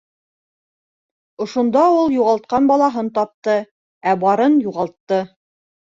Ошонда ул юғалтҡан балаһын тапты, ә барын юғалтты.